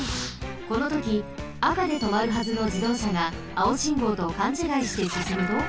このときあかでとまるはずのじどうしゃがあお信号とかんちがいしてすすむと。